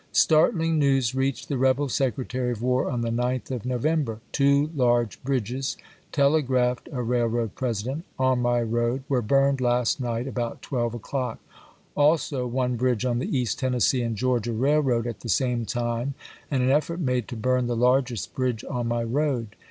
Startling news reached the rebel Secretary of War on the 9th of November. "Two large bridges," telegraphed a railroad president, " on my road were burned last night about twelve o'clock; also one bridge on the East Tennessee and Georgia Railroad at the same time, and an effort made to burn the largest bridge on my road.